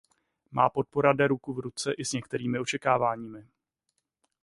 Má podpora jde ruku v ruce i s některými očekáváními.